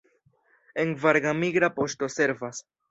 En Varga migra poŝto servas.